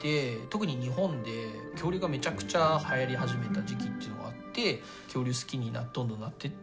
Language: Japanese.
特に日本で恐竜がめちゃくちゃはやり始めた時期っていうのがあって恐竜好きにどんどんなってって。